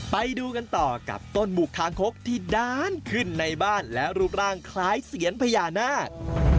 ไปดูกันต่อกับต้นบุกคางคกที่ด้านขึ้นในบ้านและรูปร่างคล้ายเซียนพญานาค